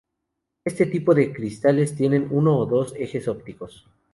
Este tipo de cristales tienen uno o dos ejes ópticos.